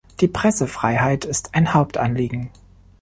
Die Pressefreiheit ist ein Hauptanliegen.